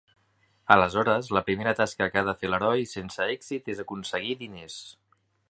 Aleshores, la primera tasca que ha de fer l'heroi sense èxit és aconseguir diners.